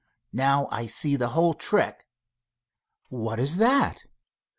Now, I see the whole trick." "What is that?"